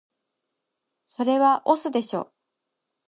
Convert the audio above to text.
それは押忍でしょ